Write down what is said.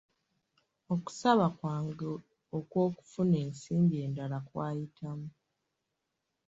Okusaba kwange okw'okufuna ensimbi endala kwayitamu.